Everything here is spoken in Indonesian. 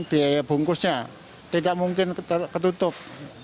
dan biaya bungkusnya tidak mungkin ketutup